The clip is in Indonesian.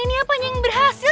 ini apanya yang berhasil